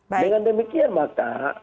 dengan demikian maka